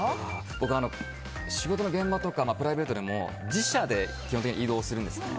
僕、仕事の現場とかプライベートでも自車で基本的には移動するんですね。